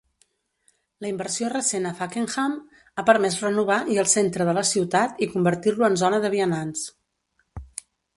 La inversió recent a Fakenham ha permès renovar i el centre de la ciutat i convertir-lo en zona de vianants.